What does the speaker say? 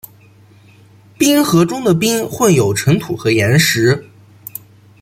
冰河中的冰混合有尘土和岩石。